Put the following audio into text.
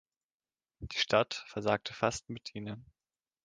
Die Stadt versagte fast mit ihnen.